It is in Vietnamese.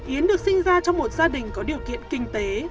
yến được sinh ra trong một gia đình có điều kiện kinh tế